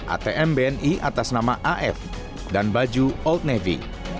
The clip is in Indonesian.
atm bni atas nama af dan baju old navy